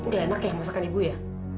gak enak ya masakan ibu ya